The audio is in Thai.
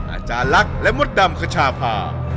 อาจารย์ลักษณ์และมดดำขชาพา